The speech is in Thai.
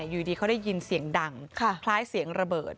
อยู่ดีเขาได้ยินเสียงดังคล้ายเสียงระเบิด